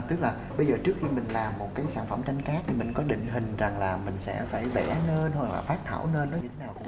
tức là bây giờ trước khi mình làm một cái sản phẩm tranh cát thì mình có định hình rằng là mình sẽ phải vẽ lên hoặc là phát thảo nên nó như thế nào